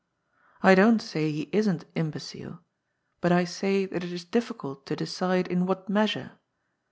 I don't say he isn't imbecile, but I say that it is difficult to decide in what measure.